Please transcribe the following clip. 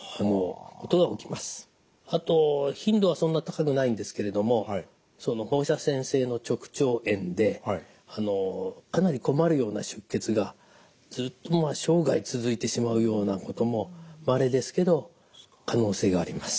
あと頻度はそんなに高くないんですけれどもその放射線性の直腸炎でかなり困るような出血がずっと生涯続いてしまうようなこともまれですけど可能性があります。